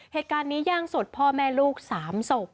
เหตุการณ์นี้แย่งสดพ่อแม่ลูก๓ศพ